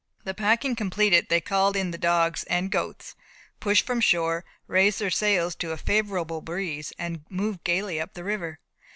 The packing completed, they called in the dogs and goats, pushed from shore, raised their sails to a favourable breeze, and moved gaily up the river.